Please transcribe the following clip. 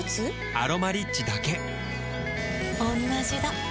「アロマリッチ」だけおんなじだ